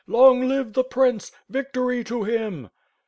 Long live the Prince! Victory to him!"